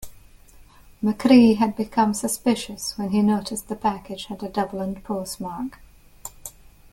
McCrea had become suspicious when he noticed the package had a Dublin postmark.